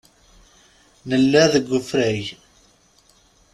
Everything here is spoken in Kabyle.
Nella deg ufrag.